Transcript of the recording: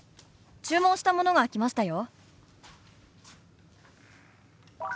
注文したものが来ましたよ」。